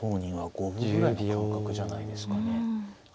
五分ぐらいの感覚じゃないですかね。